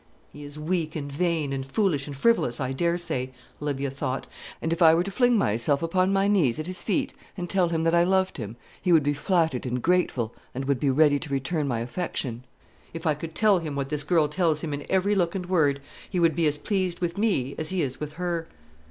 "He is weak and vain, and foolish and frivolous, I daresay," Olivia thought; "and if I were to fling myself upon my knees at his feet, and tell him that I loved him, he would be flattered and grateful, and would be ready to return my affection. If I could tell him what this girl tells him in every look and word, he would be as pleased with me as he is with her."